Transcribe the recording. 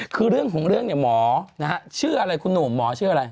คือเรื่องของเรื่องเนี่ยหมอนะฮะชื่ออะไรคุณหนุ่มหมอชื่ออะไร